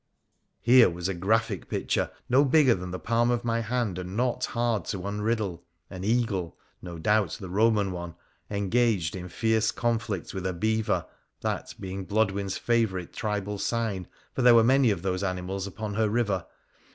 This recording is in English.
Here was a graphic picture, no bigger than the palm of my hand, and not hard to unriddle. An eagle — no doubt the Koman one — engaged in fierce conflict with a beaver — that being Blodwen's favourite tribal sign, for there were many of those animals upon her river.